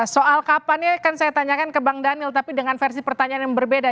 soal kapannya kan saya tanyakan ke bang daniel tapi dengan versi pertanyaan yang berbeda